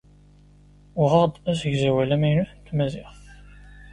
Uɣeɣ-d asegzawal amaynut n tmaziɣt.